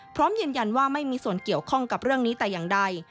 พร้อมยืนยันว่าไม่มีส่วนเกี่ยวข้องกับเรื่องนี้แต่อย่างใด